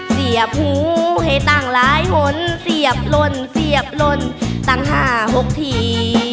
เสียบหูให้ตั้งหลายหนเสียบล่นเสียบลนตั้ง๕๖ที